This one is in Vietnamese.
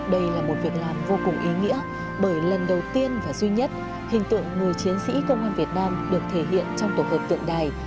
đây là một việc làm vô cùng ý nghĩa bởi lần đầu tiên và duy nhất hình tượng người chiến sĩ công an việt nam được thể hiện trong tổ hợp tượng đài